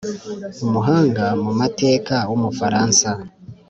umuhanga mu mateka w'umufaransa,